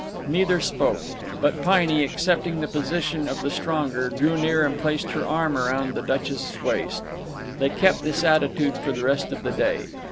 Neither spoke; but Piney, accepting the position of the stronger, drew near and placed her arm around the Duchess's waist. They kept this attitude for the rest of the day.